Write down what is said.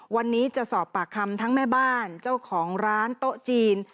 วันนี้จะสอบปากคำทั้งแม่บ้านเจ้าของร้านโต๊ะจีน